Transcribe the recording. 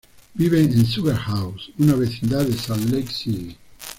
Vive en Sugar House, una vecindad de Salt Lake City.